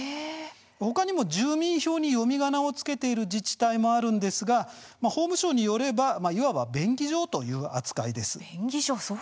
他にも住民票に読みがなを付けている自治体もあるんですが法務省によれば、いわば便宜上という扱いでした。